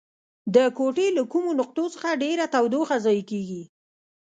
د کوټې له کومو نقطو څخه ډیره تودوخه ضایع کیږي؟